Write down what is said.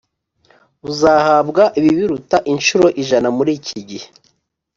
Uzahabwa ibibiruta incuro ijana muri iki gihe